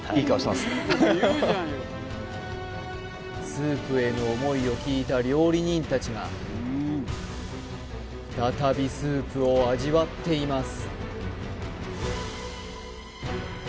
スープへの思いを聞いた料理人達が再びスープを味わっています